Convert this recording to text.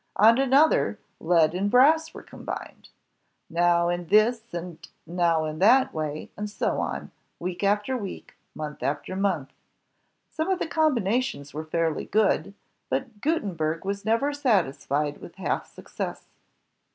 On another, lead and brass were combined, now in this and now in that way; and so on, week after week, month after month. Some of the com binations were fairly good, but Gutenberg was never satisfied with half success.